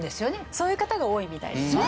そういう方が多いみたいですね。